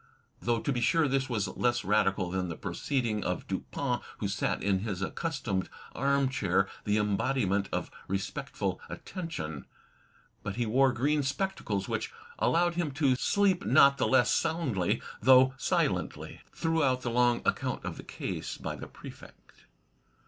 Though to be sure this was less radical than the proceeding of Dupin who "sat in his accustomed armchair, the embodi ment of respectful attention" but be wore green spectacles which allowed him to "sleep not the less soundly, though PORTRAITS 165 silently" throughout the long account of the case by the Prefect.